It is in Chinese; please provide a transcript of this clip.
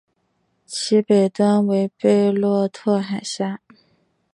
其北端为贝洛特海峡。